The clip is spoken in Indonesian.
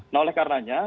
nah oleh karenanya